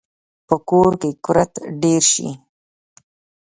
په کور کې کورت ډیر شي